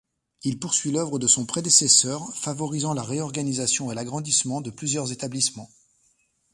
Il poursuit l'œuvre de son prédécesseur, favorisant la réorganisation et l’agrandissement de plusieurs établissements.